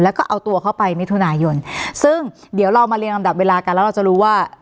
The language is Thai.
แล้วก็เอาตัวเข้าไปมิถุนายนซึ่งเดี๋ยวเรามาเรียงลำดับเวลากันแล้วเราจะรู้ว่า